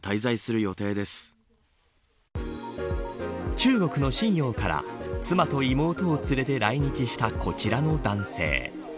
中国の瀋陽から妻と妹を連れて来日したこちらの男性。